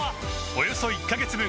およそ１カ月分